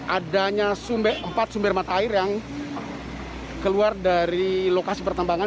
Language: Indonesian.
adanya empat sumber mata air yang keluar dari lokasi pertambangan